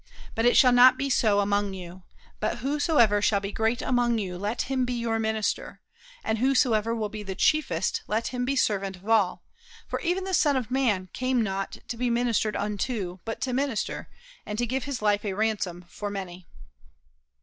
But it shall not be so among you; but whosoever shall be great among you let him be your minister, and whosoever will be the chiefest let him be servant of all; for even the Son of man came not to be ministered unto, but to minister, and give his life a ransom for many."